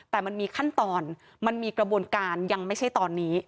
แต่มันมีขั้นตอนมันมีกระบวนการยังไม่ใช่ตอนนี้